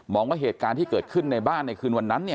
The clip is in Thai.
ว่าเหตุการณ์ที่เกิดขึ้นในบ้านในคืนวันนั้น